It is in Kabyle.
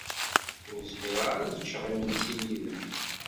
Ur zmireɣ ara ad ččeɣ imensi yid-m.